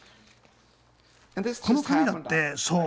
この紙だってそう。